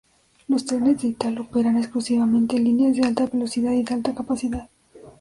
Los trenes de Italo operan exclusivamente líneas de alta velocidad y de alta capacidad.